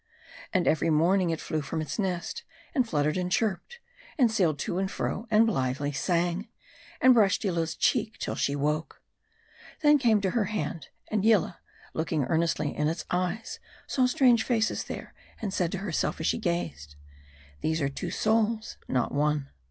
And every morning it flew from its nest, and fluttered and chirped ; and sailed to and fro ; and blithely sang ; and brushed Yillah' s cheek till she woke. Then came to her hand : and Yillah, looking earnestly in its eyes, saw strange faces there ; and said to herself as she gazed " These are two souls, not one."